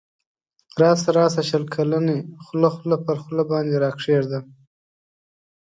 راسه راسه شل کلنی خوله خوله پر خوله باندی راکښېږده